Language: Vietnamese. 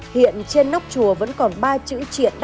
hiện trên nóc chùa vẫn còn ba chữ